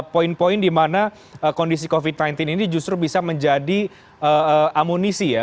poin poin di mana kondisi covid sembilan belas ini justru bisa menjadi amunisi ya